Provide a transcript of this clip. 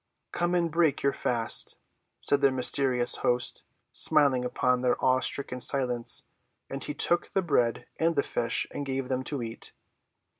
"Come and break your fast," said their mysterious host, smiling upon their awe‐stricken silence. And he took the bread and the fish and gave them to eat.